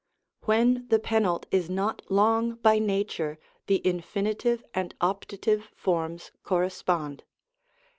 When the penult is not long by nature, the Infin. and Opt. forms correspond.